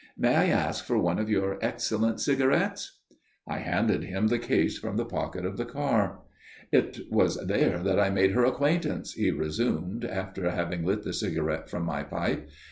May I ask for one of your excellent cigarettes?" I handed him the case from the pocket of the car. "It was there that I made her acquaintance," he resumed, after having lit the cigarette from my pipe.